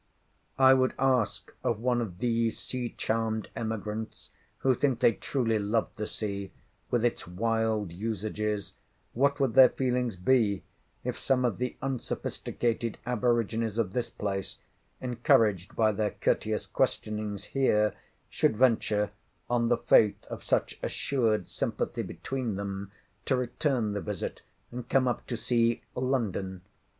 I would ask of one of these sea charmed emigrants, who think they truly love the sea, with its wild usages, what would their feelings be, if some of the unsophisticated aborigines of this place, encouraged by their courteous questionings here, should venture, on the faith of such assured sympathy between them, to return the visit, and come up to see—London.